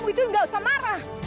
itu nggak usah marah